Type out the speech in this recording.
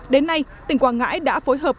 đến nay tỉnh quảng ngãi đã phối hợp